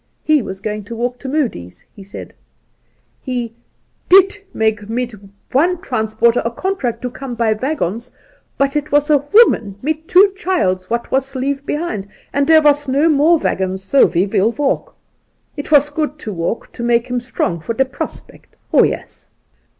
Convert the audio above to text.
He was going to walk to Moodie's, he said. He ' did make mit one transporter a contract to come by waggons ; but it was a woman mit two childs what was leave behind, and dere was no more waggons, so he wiQ walk. It was good to walk to make him strong for de prospect. Oh yes